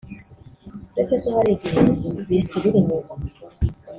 uretse ko hari igihe bisubira inyuma